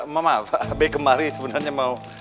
mama b kemari sebenernya mau